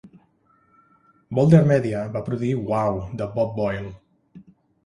Bolder Media va produir Wow! de Bob Boyle.